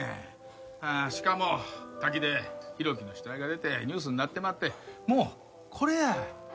しかも滝で浩喜の死体が出てニュースになってまってもうこれや。